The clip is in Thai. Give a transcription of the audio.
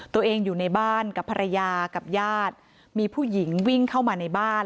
อยู่ในบ้านกับภรรยากับญาติมีผู้หญิงวิ่งเข้ามาในบ้าน